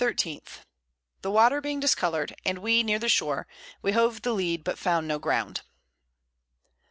_ The Water being discolour'd, and we near the Shore, we hove the Lead but found no Ground.